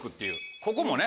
ここもね